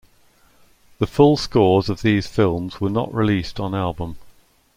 The full scores of these films were not released on album.